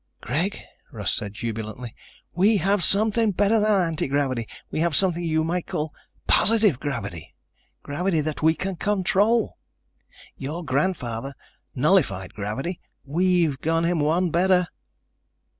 "Greg," Russ said jubilantly, "we have something better than anti gravity! We have something you might call positive gravity ... gravity that we can control. Your grandfather nullified gravity. We've gone him one better."